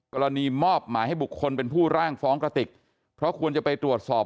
มอบหมายให้บุคคลเป็นผู้ร่างฟ้องกระติกเพราะควรจะไปตรวจสอบ